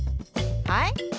はい？